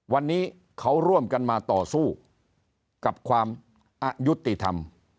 วันนี้เขาร่วมกันมาต่อสู้กับความอายุติธรรม